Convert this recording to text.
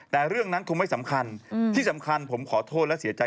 แต่เรื่องนั้นคงไม่สำคัญที่สำคัญผมขอโทษและเสียใจ